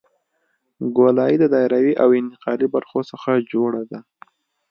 ګولایي د دایروي او انتقالي برخو څخه جوړه ده